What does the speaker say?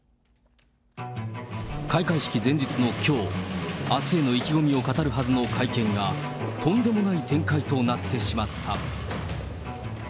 開会式前日のきょう、あすへの意気込みを語るはずの会見が、とんでもない展開となってしまった。